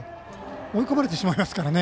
追い込まれてしまいますからね。